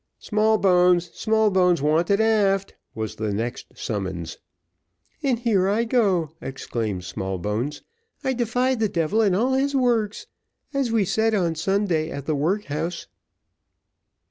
"Smallbones Smallbones wanted aft," was the next summons. "And here I go," exclaimed Smallbones. "I defy the devil and all his works as we said on Sunday at the workhouse."